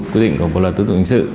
quy định của bộ luật tương tự hình sự